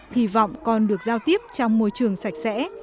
hy vọng con được giao tiếp trong môi trường sạch sẽ